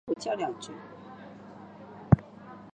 范氏姮是嘉定省新和县新年东村出生。